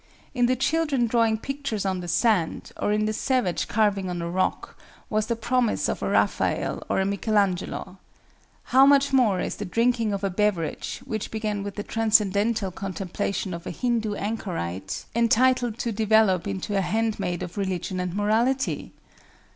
In the children drawing pictures on the sand, or in the savage carving on a rock, was the promise of a Raphael or a Michael Angelo. How much more is the drinking of a beverage, which began with the transcendental contemplation of a Hindoo anchorite, entitled to develop into a handmaid of Religion and Morality?